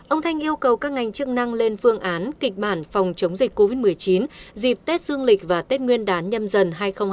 ông thanh yêu cầu các ngành chức năng lên phương án kịch bản phòng chống dịch covid một mươi chín dịp tết dương lịch và tết nguyên đán nhâm dần hai nghìn hai mươi